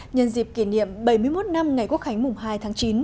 nhân dịp kỷ niệm bảy mươi một năm ngày quốc khánh mùng hai tháng chín